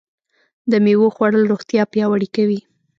د مېوو خوړل روغتیا پیاوړې کوي.